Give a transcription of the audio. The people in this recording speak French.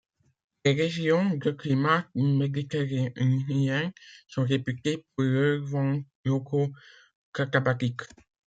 Les régions de climat méditerranéen sont réputées pour leurs vents locaux catabatiques.